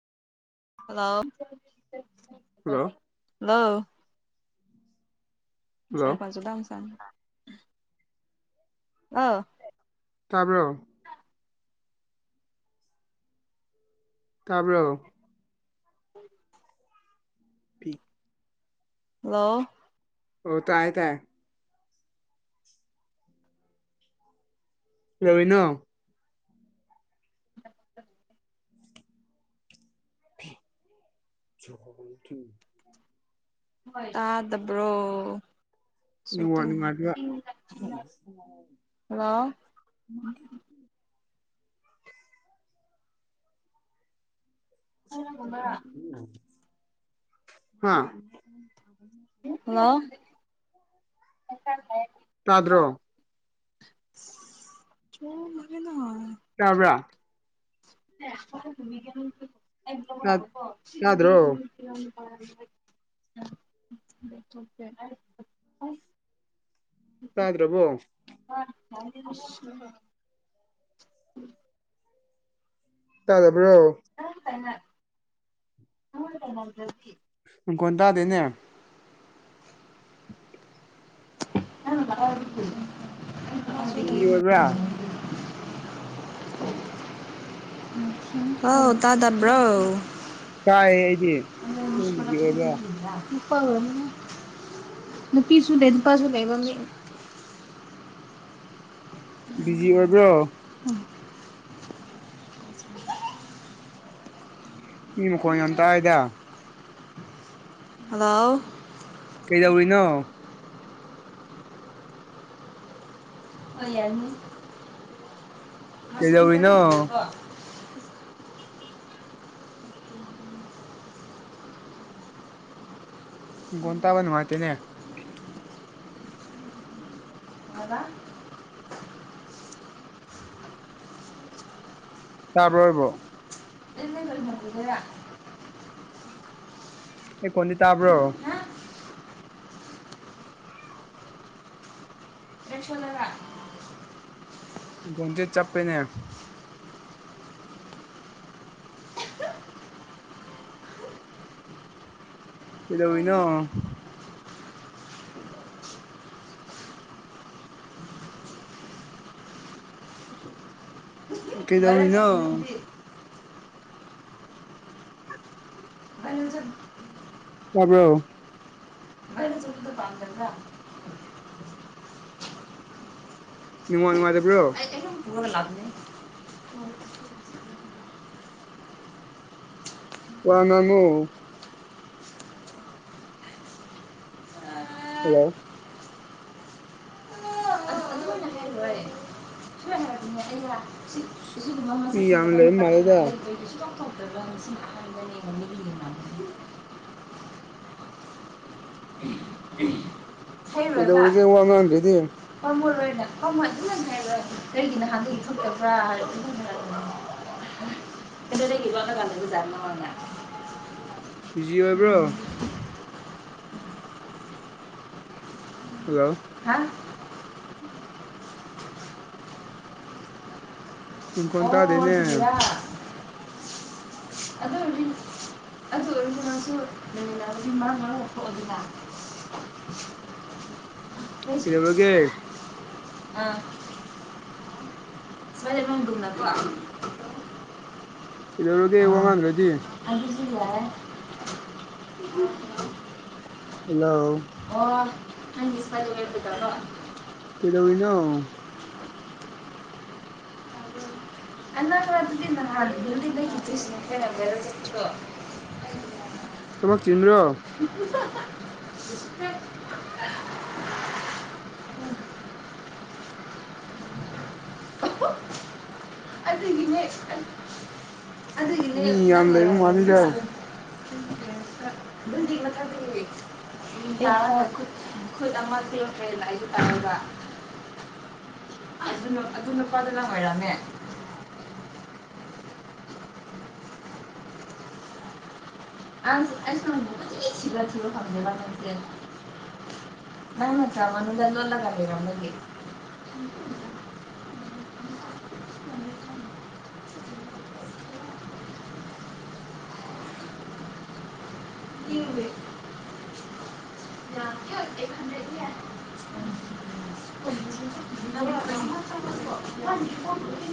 Hello hello hello hello [inaudible] ꯑꯣ ꯇꯥꯕ꯭ꯔꯣ ꯇꯥꯕ꯭ꯔꯣ꯫ [inaudible] ꯄꯤ ꯍꯜꯂꯣ ꯑꯣ ꯇꯥꯏ ꯇꯥꯏ ꯀꯩꯗꯧꯔꯤꯅꯣ꯫ [unintelligible] ꯍꯥꯥ ꯆꯥꯎꯋꯦ ꯇꯨ ꯇꯥꯗꯕ꯭ꯔꯣ꯫ ꯅꯦꯠꯋꯥꯛ ꯅꯨꯡꯉꯥꯏꯇꯕ ꯍꯜꯂꯣ꯫ ꯍꯜꯂꯣ ꯍꯥꯥ ꯍꯜꯂꯣ꯫ ꯇꯥꯗ꯭ꯔꯣ [unintelligible] ꯇꯥꯕ꯭ꯔꯥ ꯇꯥ ꯇꯥꯗ꯭ꯔꯣ [unintelligible] [unintelligible] ꯇꯗ꯭ꯔꯕꯣ꯫ [unintelligible] ꯇꯥꯗꯕ꯭ꯔꯣ꯫ [unintelligible] ꯃꯈꯣꯟ ꯇꯥꯥꯗꯦꯅꯦ꯫ ꯕꯤꯖꯤ ꯑꯣꯏꯕ꯭ꯔꯥ [unintelligible] ꯍꯜꯂꯣ ꯇꯥꯗꯕ꯭ꯔꯣ ꯇꯥꯏꯌꯦ ꯑꯩꯗꯤ ꯎꯗꯤ ꯑꯣꯏ ꯅꯨꯄꯥꯒꯨꯝꯅꯦ ꯅꯨꯄꯤꯁꯨ ꯂꯤꯠꯄꯥ [unintelligible] ꯕꯤꯖꯤ ꯑꯣꯏꯕ꯭ꯔꯣ꯫ [unintelligible] ꯃꯤ ꯃꯈꯣꯟ ꯌꯥꯝ ꯇꯥꯏꯗ ꯍꯜꯂꯣ꯫ ꯀꯩꯗꯧꯔꯤꯅꯣ꯫ ꯀꯩꯗꯧꯔꯤꯅꯣ [unintelligible] ꯃꯈꯣꯟ ꯇꯥꯕ ꯅꯨꯉꯥꯇꯦꯅꯦ꯫ [unintelligible] ꯇꯥꯕꯔꯣ [unintelligible] ꯑꯩ ꯈꯣꯟꯗꯤ ꯇꯥꯕ꯭ꯔꯣ꯫ ꯍꯥ [unintelligible] ꯃꯈꯣꯟꯖꯦ ꯆꯞꯄꯦꯅꯦ꯫ ꯀꯩꯗꯧꯔꯤꯅꯣ ꯚꯥꯏꯔꯦꯜ ꯀꯩꯗꯧꯔꯤꯅꯣ ꯆꯠꯄꯅꯤ ꯑꯗꯨꯗꯤ ꯚꯥꯏꯔꯦꯜ ꯆꯠ ꯇꯥꯕꯔꯣ꯫ [unintelligible] [unintelligible] ꯅꯦꯠꯋꯥꯛ ꯅꯨꯉꯥꯏꯇꯕ꯭ꯔꯣ꯫ [unintelligible] ꯂꯥꯛꯄꯅꯦ ꯋꯥ ꯉꯥꯡꯉꯣ ꯍꯜꯂꯣ꯫ ꯑꯗꯨ ꯑꯗꯨꯃꯥꯏꯅ ꯍꯥꯏꯔꯣꯏ ꯁꯨꯃꯥꯏꯅ ꯍꯥꯏꯔꯛꯀꯅꯤ ꯑꯩꯅ ꯁꯤ ꯑꯁꯤꯒꯨꯝꯕ ꯃꯤ ꯃꯁꯛ ꯌꯥꯝ ꯐꯖꯕ ꯂꯩ ꯅꯨꯄꯥꯗꯤ ꯃꯥꯜꯂꯦꯗ [unintelligible] [unintelligible] ꯀꯩꯗꯧꯔꯒꯦ ꯋꯥ ꯉꯥꯡꯗꯔꯗꯤ꯫ [unintelligible] ꯑꯩꯗꯤ ꯅꯍꯥꯟꯒꯩ ꯈꯥꯪꯗꯕ꯭ꯔꯥ ꯍꯥꯏꯔ [unintelligible] [unintelligible] ꯕꯤꯖꯤ ꯑꯣꯏꯕ꯭ꯔꯣ꯫ ꯍꯜꯂꯣ꯫ ꯍꯥ ꯅꯪ ꯈꯣꯟ ꯑꯣ ꯇꯥꯗꯦꯅꯦ꯫ ꯑꯗꯨꯒꯤꯔꯥ ꯑꯗꯨ ꯑꯣꯏꯔ ꯑꯗꯨ ꯑꯣꯏꯔꯁꯨ ꯅꯪꯁꯨ [unintelligible] [unintelligible] ꯀꯩꯗꯧꯔꯒꯦ꯫ ꯑꯥ [unintelligible] ꯒꯨꯝꯅꯀꯣ ꯀꯩꯗꯧꯔꯒꯦ ꯋꯥꯉꯥꯡꯗ꯭ꯔꯗꯤ [unintelligible] ꯍꯜꯂꯣ [unintelligible] ꯀꯩꯗꯧꯔꯤꯅꯣ꯫ [unintelligible] ꯊꯕꯛ ꯆꯤꯟ ꯕ꯭ꯔꯣ [inaudible] [unintelligible] ꯑꯗꯒꯤꯅꯦ ꯑꯗꯨꯒꯤꯅꯦ ꯃꯤ ꯌꯥꯝ ꯅꯪ ꯂꯩꯕ ꯃꯥꯜꯂꯤꯗ ꯑꯣꯏꯔꯝꯒꯅꯤꯕ꯫ [unintelligible] [unintelligible] ꯑ ꯑꯗꯨ ꯅꯨꯄꯥꯗꯨꯅ ꯑꯣꯏꯔꯝꯃꯦ ꯑꯁ ꯑꯩꯁꯨ ꯍꯧꯖꯤꯛ ꯀꯣꯏꯊꯤ ꯊꯤꯕ ꯊꯤꯕ ꯐꯪꯗꯕ [unintelligible] [unintelligible]